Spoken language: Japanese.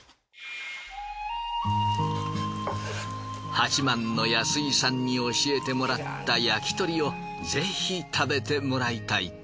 はちまんの安井さんに教えてもらった焼き鳥をぜひ食べてもらいたいと。